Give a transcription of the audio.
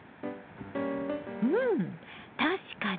うん確かに。